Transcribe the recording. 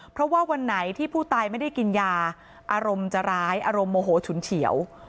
เพราะว่าวันไหนที่ผู้ตายไม่ได้กินยาอารมณ์จะร้ายอารมณ์โมโหฉุนเฉียว